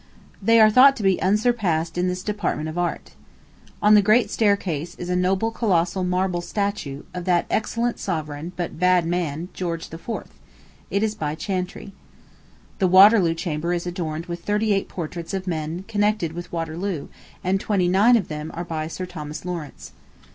They are thought to be unsurpassed in this department of art. On the Great Staircase is a noble colossal marble statue, of that excellent sovereign, but bad man, George IV. It is by Chantrey. The Waterloo Chamber is adorned with thirty eight portraits of men connected with Waterloo, and twenty nine of them are by Sir Thomas Lawrence.